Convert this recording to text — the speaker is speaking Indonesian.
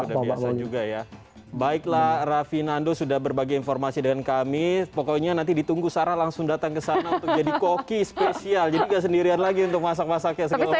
sudah biasa juga ya baiklah raffi nando sudah berbagi informasi dengan kami pokoknya nanti ditunggu sarah langsung datang ke sana untuk jadi koki spesial jadi gak sendirian lagi untuk masak masaknya segala macam